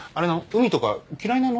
海とか嫌いなの？